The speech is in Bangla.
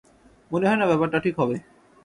মনে হয় না ব্যাপারটা ঠিক হবে।